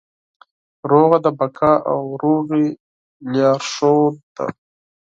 سوله د بقا او سولې لارښود ده.